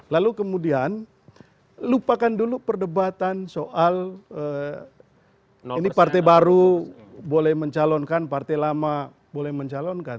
lalu kemudian lupakan dulu perdebatan soal ini partai baru boleh mencalonkan partai lama boleh mencalonkan